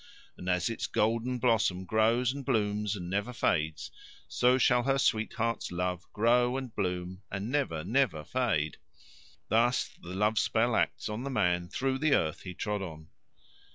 And as its golden blossom grows and blooms and never fades, so shall her sweetheart's love grow and bloom, and never, never fade. Thus the love spell acts on the man through the earth he trod on.